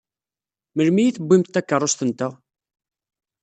Melmi i tewwimt takeṛṛust-nteɣ?